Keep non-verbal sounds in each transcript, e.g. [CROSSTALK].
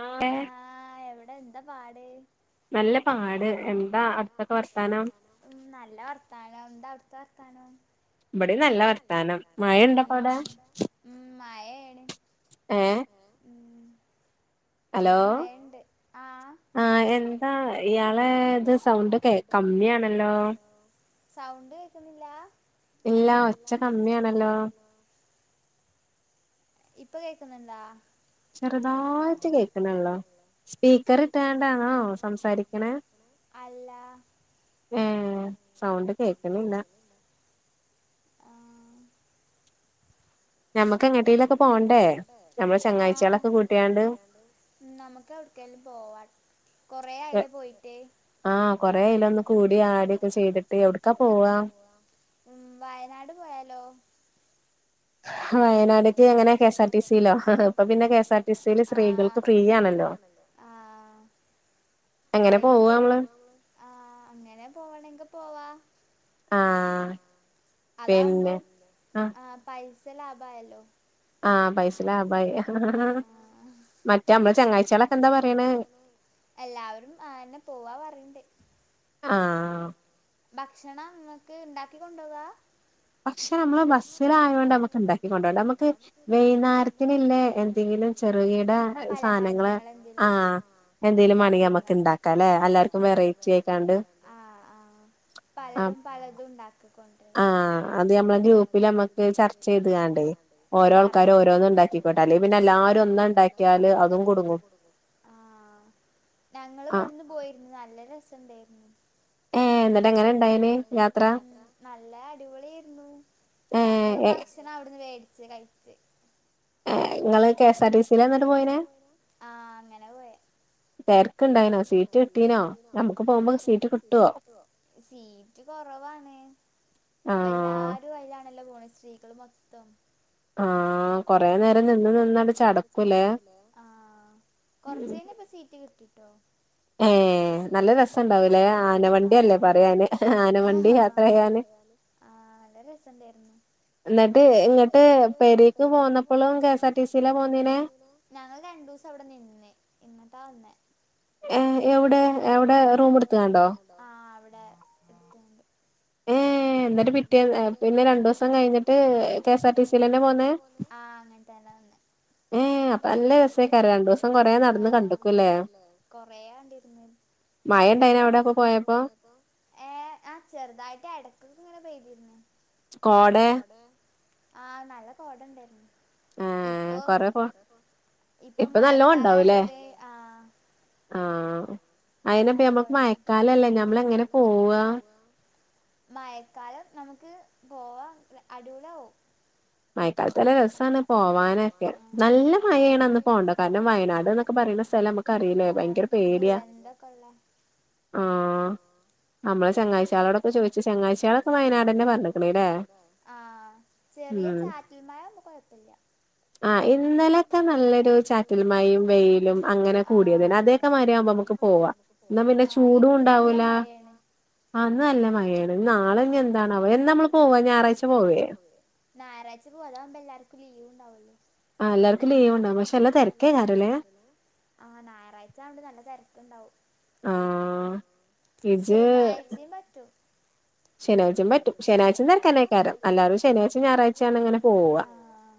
ആഹ് ആഹ് എവിടെ എന്താ പാട് നല്ല പാട് എന്താ അടുത്തൊക്കെ വർത്താനം ഉം നല്ല വർത്താനം എന്താ അവിടുത്തെ വർത്താനം ഇവിടേം നല്ല വർത്താനം മഴയുണ്ടാ അവിടെ ഉം മഴേണ് ഏ ഉം ഇബിടെ മഴയുണ്ട് ആഹ് ആ എന്താ ഇയാളെ ഇത് സൗണ്ട് കേ കമ്മിയാണല്ലോ സൗണ്ട് കേൾക്കുന്നില്ല ഇല്ല ഒച്ച കമ്മിയാണല്ലോ ഇപ്പൊ കേക്കുന്നുണ്ടാ ചെറുതായിട്ട് കേക്കണള്ളോ സ്പീക്കർ ഇട്ടണ്ടാണോ സംസാരിക്കണേ അല്ല ഏ സൗണ്ട് കേക്കണില്ല ആഹ് നമ്മുക്ക് ഈട്ടീലൊക്കെ പോവണ്ടേ ചങ്ങായ്ച്ചളൊക്കെ കൂട്ടിയാണ്ട് നമുക്ക് എവിട്ക്കേലും പോവാ കൊറെ ആയില്ലേ പോയിട്ട് ആഹ് കൊറെ ആയിലെ ഒന്ന് കൂടി ആടി ഒക്കെ ചെയ്തിട്ട് എവിടക്കാ പോവാ ഉം വയനാട് പോയാലോ വയനാട്ക്ക് എങ്ങനെ കെഎസ്ആർ ടി സിയിലോ ഇപ്പൊ പിന്നെ കെഎസ് ആർടി സിൽ സ്ത്രീകൾക്ക് ഫ്രീ ആണല്ലോ അയ്ല് പോ ആഹ് അങ്ങനെ പോവണെങ്കി പോവാ ആഹ് അതാവുമ്പം ആഹ് പൈസ ലാഭയല്ലോ ആഹ് പൈസ ലാഭയി ആഹ് മറ്റേ അമ്മളെ ചങ്ങായ്ച്ചിളൊക്കെ എന്താ പറിണേ? എല്ലാവരും ആഹ്ന്നെ പോവാ പറീണ്ട് ആഹ് ഭക്ഷണം ഇങ്ങക്ക് ഇണ്ടാക്കി കൊണ്ടോവാ ഭക്ഷണം നമ്മള് ബസ്സിലായൊണ്ട് നമ്മക്ക് ഇണ്ടാക്കി കൊണ്ടോണ്ട നമക്ക് വെ നാരത്ത്ന്ല്ലേ എന്തെങ്കിലും ചെറുകിട സാനങ്ങള് ആഹ് എന്തെലും മാണെങ്കി അമ്മക്ക് ഇണ്ടാക്കാ ല്ലെ എല്ലാർക്കും വെറൈറ്റി ആയ്ക്കാണ്ട് പലരും പലതും ഇണ്ടാക്കിക്കൊണ്ടരാ അത് നമ്മളെ ഗ്രൂപ്പില് നമ്മക്ക് ചർച്ച ചെയ്ത് കാണ്ടേ ഓരോ ആൾക്കാര് ഓ ഓരോന്ന് ഇണ്ടാക്കിക്കോട്ടെ അല്ലെ പിന്നെ എല്ലാരും ഒന്ന് ഇണ്ടാക്കിയാല് അതും കുടുങ്ങും ആഹ് ഞങ്ങള് ഇവട്ന്ന് പോയിരുന്നു നല്ല രസണ്ടെയ്രുന്നു ആഹ് ഇന്നട്ട് എങ്ങനെ ഇണ്ടായിരുന്നു യാത്ര? നല്ല അടിപൊളി ഏര്ന്നു ഞങ്ങളും ഭക്ഷണം അവിട്ന്ന് മേടിച്ച് കഴിച്ച് ഏഹ് ഇങ്ങള് കെ സാ ആർ ടിസിലാ ഇന്നട്ട് പോയിനെ തെരക്ക്ണ്ടായിനോ സീറ്റ് കിട്ടീനോ നമ്മക്ക് പോകുമ്പോ സീറ്റ് കിട്ടോ? സീറ്റ് കൊറവാണ് ഇപ്പ എല്ലാരും അയ്ലാണല്ലോ പോണത് സി ക്കള് മൊത്തം ആഹ് കൊറെ നേരം നിന്ന് നിന്ന് അണ്ട് ച്ചടക്കൂല്ലേ കൊർച്ച് കഴിഞ്ഞപ്പം സീറ്റ് കിട്ടിട്ടോ ഏഹ് നല്ല രസംണ്ടാവുല്ലേ ആഹ് ആന വണ്ടില്ലേ പറയാ അയ്ന് ആഹ് ആഹ് ആഹ് നല്ല രസണ്ടായ്രുന്നു ഇന്നട്ട് ഇങ്ങട്ട് പെരീക്ക് പോന്നപ്പളും കെ എസ് ആർ ടി സിയിലാ പോന്നീനെ ഞങ്ങള് രണ്ടുസം അവിടെ നിന്ന് ഇന്നട്ടാ വന്നേ എവ്ടെ എവ്ടെ റൂം ഇട്ത്ത്കാണ്ടോ? ആഹ് അവിടെ ഇട്ത്താണ്ട് ഏഹ് ഇന്നട്ട് പിറ്റേന്ന് പിന്നെ രണ്ടുസം കഴിഞ്ട്ട് കെ സ ആർ ടി സിലെന്നെ പോ ആഹ് അങ്ങൻ തന്നെ വന്നെ ഏഹ് അപ്പ നല്ലേ രെസെക്കാരം രണ്ടുസം കൊറെ നടന്ന് കണ്ടുകുല്ലേ കൊറെ കണ്ടിര്ന്ന് [UNINTELLIGIBLE] പോയപ്പോ ഏഹ് ആഹ് ചെർതായിട്ട് എടക്കൊക്കെ ഇങ്ങനെ പെയ്തിരുന്ന് കോടെ? ആഹ് നല്ല കോട ഇണ്ടായിരുന്നു. ഇപ്പം ഇപ്പം മയക്കാലായോണ്ട് ആഹ് ആഹ് അപ്പ [UNINTELLIGIBLE] മയക്കാലല്ലേ നമ്മള് എങ്ങനെ പോവ മഴക്കാലം നമുക്ക് പോവാ അടിപോളിയാവും മഴ ക്കാലത്ത് നല്ല രസാണ് പോവാന് നല്ല മഴയെണ് അന്ന് പോവണ്ട കാരണം വയനാട് ന്നൊക്കെ പറഞാ ആഹ് ദൂരെന്തൊക്കെ ഉള്ളെ ആഹ് അമ്മളെ ചങ്ങാഴ്ചാളോടൊക്കെ ചോയ്ച്ച് ചങ്ങയ്ചാളൊക്കെ വയനാടെന്നെ പറഞ്ക്ക്‌ണ്ല്ലേ ആഹ് ചെറിയ ചാറ്റൽ മഴ ഒന്നും കുഴപ്പല്ല ആഹ് ഇന്നലെക്കെ നല്ലൊരു ചാറ്റൽ മഴിം വെയ്ലും അങ്ങനെ കൂടിയതേനി അതെക്കെ മായ്രി ആവുമ്പോ ക്ക്‌ പോവാ എന്നാ പിന്നെ ചൂടും ഇണ്ടാവൂല ഇന്ന് നല്ല മഴെണ് നാളെ ഇനി എന്താണെവോ എന്നാ അമ്മള് പോവാ ഞാറാഴ്ച പോവേ ഞാറാഴ്ച പോവാ അതാവുമ്പം എല്ലാർക്കും ലീവ് ഉണ്ടാവല്ലോ ആഹ് എല്ലാർക്കും ലീവ് ഉണ്ടാവും പക്ഷെ നല്ല തെരക്കെകാരല്ലേ ആഹ് ഞാറാഴ്ച ആയോണ്ട് നല്ല തെരക്ക്‌ണ്ടാവും ശനിയാഴ്ച്ചിം പറ്റും ശനാഴ്ച്ചിം പറ്റും ശനാഴ്ച്ചിം തെരക്കാനേ കാരം എല്ലാവും ശനാഴ്‌ച്ചിം ഞാറാഴ്‌ചേണ് ങ്ങനെ ആഹ് ആഹ്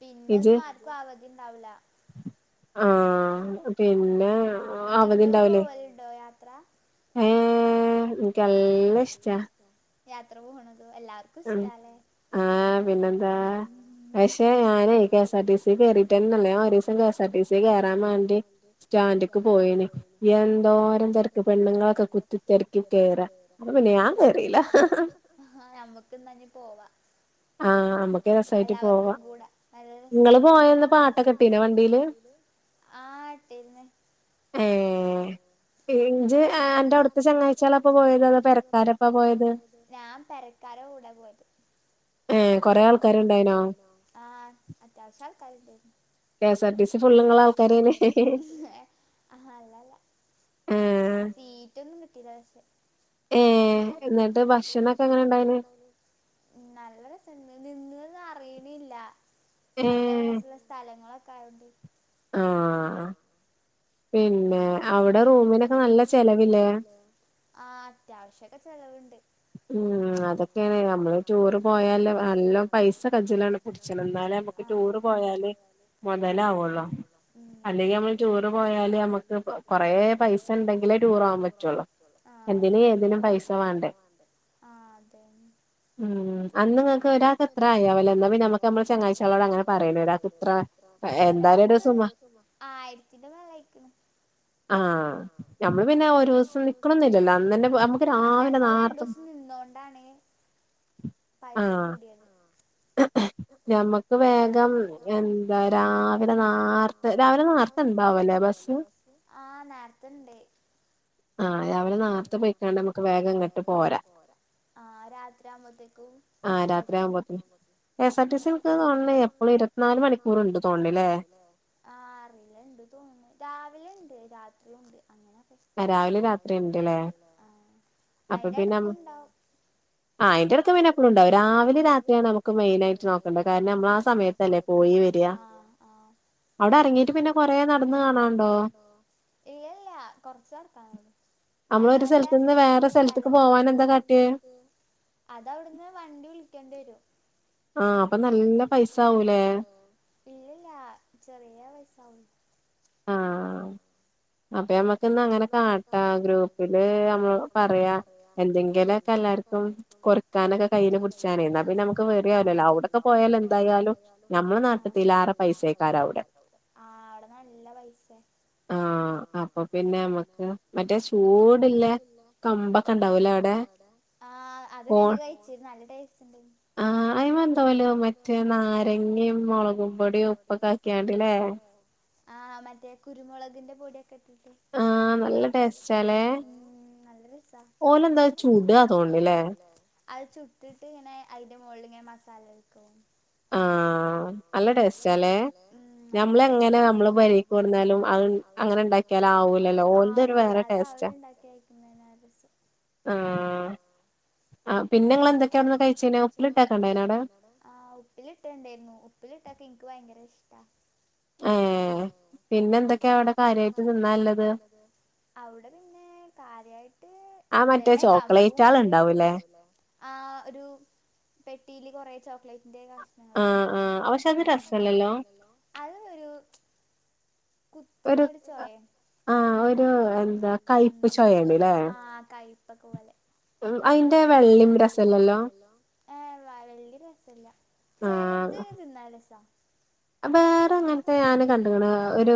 പിന്നെ ഒന്നും ആർക്കും അവധിണ്ടാവൂല ആഹ് പിന്നെ അവധിണ്ടാവുല്ലേ [UNINTELLIGIBLE] ണ്ടോ യാത്ര ഉം ഇൻക്കല്ലഷ്റ്റ യാത്ര പോകണത് എല്ലാർക്കും ഇഷ്ടാല്ലേ ആഹ് പിന്നെ പഷേ ഞാനേയ് കെ സാർ ടി സി കേറിട്ടന്നെല്ല ഞൻ ഒരിസം കെസാർ ടി സി കേറാം മാണ്ടി സ്റ്റാന്റ്ക്ക് പോയിനി എന്തോരം തെരക്ക് പെണ്ണുങ്ങളൊക്കെ കുത്തിത്തെരക്കി കേറാ അപ്പൊ പിന്നെ ഞാൻ കേ റീല ഞമ്മക്ക് ന്നാ ഞ്ഞ് പോവാ ആഹ് എല്ലാവർക്കും കൂടെ നല്ല രസായിട്ട് ങ്ങള് പോയന്ന് പാട്ടൊക്കിട്ടിനോ വണ്ടില് ആഹ് പിന്നെ ഏഹ് ഏഹ് ഇഞ്ച് ഏഹ് അന്റെ അവ്ട്ത്തെ ചെങ്ങാഴ്ച്ചിയാളപ്പ പോയത് അതാ പെരക്കാരപ്പ പോയത് ഞാൻ പരക്കാരെ കൂടെ പോയത് ഏഹ് കൊറേ ആൾക്കാര്ണ്ടായിനോ ആഹ് അത്യാവശ്യം ആൾക്കാര്ണ്ടേയ്നി KSRTC full ങ്ങളെ ആൾക്കാരേയ്നി ആഹ് അല്ലല്ല അഹ് സീറ്റൊന്നും കിട്ടില്ല പക്ഷേ ഏഹ് ന്നട്ട് ഭക്ഷണൊക്കെ എങ്ങനെ ണ്ടായിനി നല്ല രസണ്ട് നിന്നെത് അറിയ്ണില്ല നല്ല രസുള്ള സ്ഥലങ്ങളൊക്കെ ആയോണ്ട് ആഹ് പിന്നെ അവിടെ റൂമിനൊക്കെ നല്ല ചെലവില്ലേ ആഹ് അത്യാവശ്യൊക്കെ ചെലവ്ണ്ട് ഉം അതൊക്കെയാണ് നമ്മള് ടൂറ് പോയാല് നല്ലോം പൈസ കജിലാണ് പുടിച്ചണം ന്നാലേ മ്മ റ്റൂറ് പോയാല് മൊതലാവൊള്ളു അല്ലെങ്കി അമ്മൾ റ്റൂറ് പോയാല് ലെ മ്മക്ക് കൊറേ പൈസ ഇണ്ടെങ്കിലേ റ്റൂറോവാൻ പറ്റുള്ളൂ എന്തിനും ഏതിനും പൈസ വാണ്ടേ [INAUDIBLE] ആഹ് അതെ ഉം അന്ന് ങ്ങക്ക് ഒരാക്ക് എത്രായി ആവൊല്ലെ ന്നാ പിന്നെ ഞമ്മക്ക് നമ്മളെ ചങ്ങായിച്ചിയാളോട് അങ്ങനെ പറയാല്ലോ ഒരാൾക്ക് ഇത്ര ഒരാക്ക് ആയിരത്തിന്റെ മേൾളേക്ക് [INAUDIBLE] ആഹ് നമ്മള് പിന്നെ ഒരുസം നിക്കണൊന്നില്ലല്ലോ അന്നെന്നെ പോയ് നമുക്ക് രാവിലെ നാർ ണ്ടിസം നിന്നോണ്ടാണ് പൈസ കൂടിയത് ഞമ്മക്ക് വേഗം എന്താ രാവിലെ നാർത്തെ രാവിലെ നാർത്ത ണ്ടാവൊലെ ബസ് ആഹ് നാർത്തണ്ട് ആഹ് രാവിലെ നാർത്തെ പോയിക്കാണ്ട് നമക്ക് വേഗം ഇങ്ങ വേഗം ങ്ങട്ട് പോരാ ആഹ് രാത്രി ആകുമ്പോത്തേക്കും ആഹ് രാത്രി ആകുമ്പത്തെക്കും കെ സാർ ടി സി നിക്ക് കാൺണേ എപ്പൊളും ഇരുവത്ത്നാല് മണിക്കൂറും ണ്ട് തോണ്ല്ലേ ആഹ് അറില്ല ഇണ്ട് തോൺണ് രാവിലെ ഇണ്ട് രാത്രിയും ഉണ്ട് അങ്ങനെ ആഹ് രാവിലേം രാത്രീം ഇണ്ട്ല്ലേ അയിന്റെ എടക്കൂണ്ടാവും ആഹ് അയിന്റെടയ്ക്ക് പിന്നെപ്പളും ഉണ്ടാകും രാവിലിം രാത്രിയാണ് അമ്മക്ക് മെയിനായിട്ട് നോക്കണ്ട കാരണം നമ്മൾ ആ സമയത്ത് സമയത്തല്ലേ പോയി വെര്അ ആഹ് ആഹ് അവ്ടെ അറങ്ങീട്ട് പിന്നെ കൊറേ നടന്ന് കാണാൺണ്ടോ ണ്ടോ ഇല്ലല്ല കൊറച്ച് നടക്കാനൊള്ളു നല്ല നല്ല സ്ഥലങ്ങളാ, അവിടുന്നൊരു സ്ഥൽത്ത്ന്ന് വേറൊരു സ്ഥൽത്ത്ക്ക് പോവാൻ എന്താ കാട്ടിയെ അതവിട്ന്ന് വണ്ടി വിളിക്കേണ്ടിയെരും ആഹ് അപ്പൊ നല്ല പൈസാവൂല്ലേ ഇല്ലില്ല ചെറിയ പൈസാവ്ള്ളു ആഹ് അപ്പ നമ്മക്ക് ഇന്ന് അങ്ങനെ കാട്ടാ ഗ്രൂപ്പില് നമ്മള് പറയാ എന്തെങ്കിലൊക്കെ എല്ലാർക്കും കൊറിക്കാനൊക്കെ കയ്യില് പിടിച്ചാനെ എന്നാ പിന്നെ വെറിയാവില്ലല്ലോ അവിടൊക്കെ പോയാൽ എന്തായാലും നമ്മളെ നാട്ടിത്തിലാറെ പൈസക്കാരാ അവിടെ ആഹ് അവിട നല്ല പൈസേ ആഹ് അപ്പൊ പിന്നെ മ്മക്ക് മറ്റേ ചൂടിള്ള കമ്പക്കെ ഉണ്ടാവല്ലേ അവിടെ ആഹ് അത് ഞങ്ങള് കഴിച്ച് നല്ല ടേസ്റ്റ് ഇണ്ട് ആഹ് അയിമ എന്ത് വെലയാകും മറ്റേ നാരങ്ങിയും മുളകും പൊടിയും ഉപ്പൊക്കെ ആക്കിയണ്ടല്ലേ ആഹ് മറ്റേ കുരുമുളകിന്റെ പൊടിയൊക്കെ ഇട്ടിട്ട് ആഹ് ആഹ് നല്ല ടേസ്റ്റാല്ലേ മ്മ് നല്ല രസാ ഓനെന്താത് ചുടുവാ തോന്നയല്ലേ അത് ചുട്ടിട്ട് ഇങ്ങനെ അതിന്റെ മുകളിൽ ഇങ്ങനെ മസാല തേക്കും ആഹ് നല്ല ടേസ്റ്റാല്ലേ നമ്മള് എങ്ങനെ നമ്മളെ പെരേക്ക് കൊണ്ടുവന്നാലും അങ്ങ്-അങ്ങനെ ഉണ്ടാക്കിയാലും ആ ഒരു ആവൂല അതാ അവരുണ്ടാക്കിയേക്കുന്നതിനാ രസം ആഹ് ആഹ് പിന്നെ നിങ്ങൾ എന്തൊക്കെയാന്ന് കഴിച്ചഴിനാ ഒപ്പി ഇട്ടാക്കണ്ട അതിനോട് ഉപ്പിലിട്ടുണ്ടായിരുന്നു ഉപ്പിലിട്ടൊക്കെ എനിക്ക് ഭയങ്കര ഇഷ്ടമാണ് ആഹ് പിന്നെ എന്തൊക്കെയാഅവിടെ കാര്യമായിട്ട് നിന്നുള്ളത് അവിടെ പിന്നെ കാര്യായിട്ട് ഇതന്നെ കാട്ടും ആ ഒരു പെട്ടിൽ കുറേ ചോക്ലേറ്റിന്റെ അത ഒരു കുത്തുന്നടിച്ചോയെ ആ ആ കഴപ്പക്ക പോലെ അതിന്റെ വെള്ളിം രസല്ലല്ലോ ഏ വാ വല്യ രസല്ല ചിലത് ഇ തിന്നാൽ രസാ വേറെങ്ങനത്തെ ഞാന് കണ്ടണ് ഒരു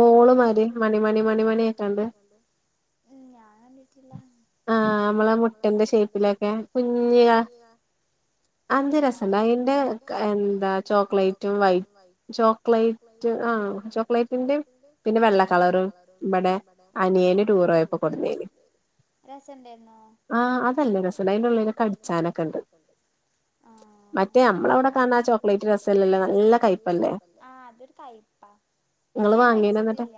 ബോള് മാരി മണിമണി മണി മണിക്കെണ്ട് ഉ ഞാൻ കണ്ടിട്ടില്ല ആഹ് നമ്മളെ മുട്ടന്റെ ഷേപ്പിലൊക്കെ [UNINTELLIGIBLE] അഞ്ച് രസുണ്ട് അതിന്റെ എന്താ ചോക്ലേറ്റും വൈറ്റ് ചോക്ലേറ്റ് ആ ചോക്ലേറ്റിന്റെ പിന്നെ വെള്ള കളറും ഇവിടെ അനിയേന് ടൂർ ആയപ്പോ കൊടുുന്നേന് രസം ഉണ്ടായിരുന്നോ? ആഹ് അതല്ലേ റസഡ അയിന്റെുള്ളനെ കടിച്ചാനൊക്കെ ഉണ്ട് ആ മറ്റേ നമ്മളവിടെ കാണ ചോക്ലേറ്റ് രസല്ലല്ലേ നല്ലയല്ല ഇത് ഞാൻ കഴിച്ചിട്ടില്ല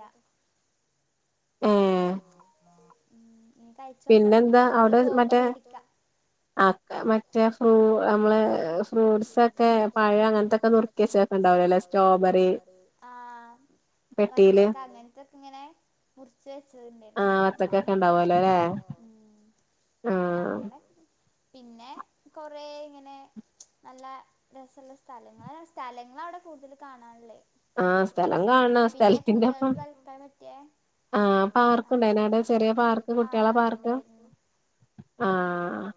ആഹ് ഉ ഇനീ കഴച്ച് നോക്കണം നഞമ്മള് പോകുമ്പോ മേടിക്ക ആ മറ്റേ ഫ്രൂ നമ്മള് ഫ്രൂട്സ്ക്കെ പഴം അങ്ങനത്തൊക്കെ നുറുക്കിയച്ച സ്ട്രോബറി ആ മത്തക്കെ അങ്ങനത്തക്കെ ഇങ്ങനെ മുറച്ച് വെച്ചത്ണ്ടായിന്ന അങ്ങനെ പിന്നെ കൊറേ ഇങ്ങനെ നല്ല രസമുള്ള സ്ഥലങ്ങ സ്ഥലങ്ങള അവിടെ കൂടുതൽ കാണാനല്ലേ പിന്നെ കുട്ടികൾക്ക് കളിക്കൻ പറ്റിയ ആഹ് അർത്തില്ലോവിട ചെറിയ ആഹ്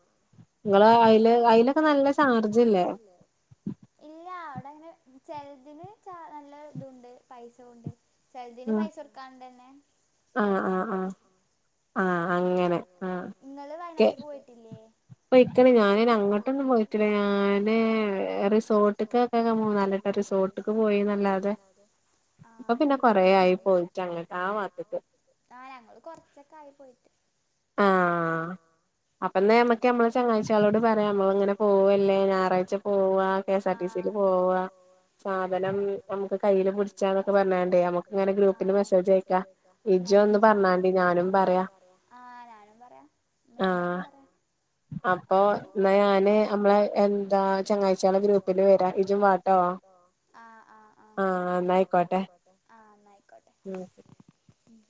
നിങ്ങള് അതില് അതിലൊക്കെ നല്ല ചാർജ്ല്ലേ ഇല്ല അവിടെ അങ്ങനെ ചിലതിന് ച നല്ല ഇതുണ്ട് പൈസ ഉണ്ട് ചെലതിന് പൈസ കൊടുക്കാനണ്ട്ന്നെ കളിക്കാനും പറ്റും. ആ അങ്ങനെ. നിങ്ങള് വയനാട്ടക്ക് പോയിട്ടില്ലേ? [UNINTELLIGIBLE] ഇക്ക ഞാന അങ്ങോട്ടൊന്നും പോയിട്ടില്ല. ഞാന് റിസോർട്ട് [UNINTELLIGIBLE] റിസോർട്ടക്ക് പോയി നല്ലാതെ, ആഹ് അങ്ങോട്ട് പോയിണ്ടാവലേ. ആ ഞങ്ങള് കൊറച്ചൊക്കെ ആയി പോയിട്ട്. ആഹ് അപ്പൊന്നെ നമ്മക്ക നമ്മള് ചങ്ങായ്ച കുട്ട്യാളോട് പറയാം, നമ്മള അങ്ങനെ പോവല്ലേ ഞായറാഴ്ച്ച പോവ കെഎസ്ആർ ടിസി ൽ പോവാ. സാധനം നമുക്ക് കയ്യിൽ പിടിച്ചാന്നൊക്കെ പറഞ്ഞണ്ടേ, നമുക്ക് ഇങ്ങനെ ഗ്രൂപ്പില് മെസ്സേജ് അയക്കാം. ഇജോ ഒന്ന് പറഞ്ഞാണ്ടി ഞാനും പറയാ ആഹ് ഞാനും പറയാം. നമ്മള് രണ്ടാക്കും പറയാം. ആഹ് അപ്പൊ എന്നാ ഞാന് നമ്മളെ എന്താ ചങ്ങായ്ചകള ഗ്രൂപ്പില് വരാ, ഇജും വാട്ടോ. ആഹ് ആഹ് ആ ആഹ് അന്നായിക്കോട്ടെ. അന്നായിക്കോട്ടെ ഉം.